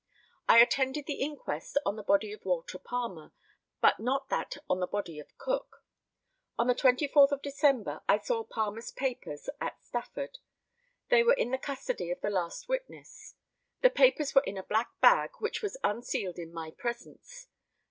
I attended the inquest on the body of Walter Palmer, but not that on the body of Cook. On the 24th of December I saw Palmer's papers at Stafford. They were in the custody of the last witness. The papers were in a black bag, which was unsealed in my presence.